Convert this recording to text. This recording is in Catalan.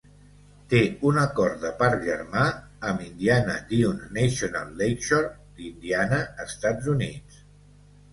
Té un acord de parc germà amb Indiana Dunes National Lakeshore d'Indiana, Estats Units.